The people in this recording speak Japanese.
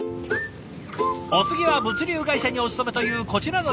お次は物流会社にお勤めというこちらの画伯。